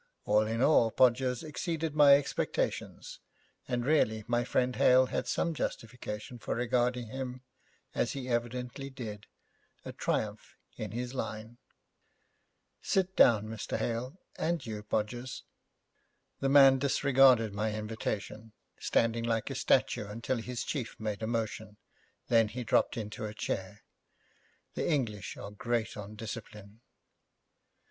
All in all, Podgers exceeded my expectations, and really my friend Hale had some justification for regarding him, as he evidently did, a triumph in his line. 'Sit down, Mr. Hale, and you, Podgers.' The man disregarded my invitation, standing like a statue until his chief made a motion; then he dropped into a chair. The English are great on discipline.